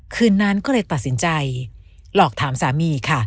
คืนนั้นก็เลยตัดสินใจหลอกถามสามีค่ะ